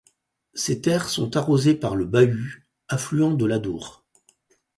Ses terres sont arrosées par le Bahus, affluent de l'Adour.